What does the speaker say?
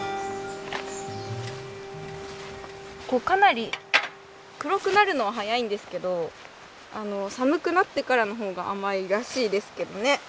かなり黒くなるのは早いんですけど寒くなってからの方が甘いらしいですけどね